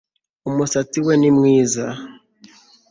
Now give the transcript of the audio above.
umusatsi we ni mwiza